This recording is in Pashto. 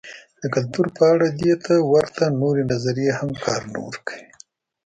د کلتور په اړه دې ته ورته نورې نظریې هم کار نه ورکوي.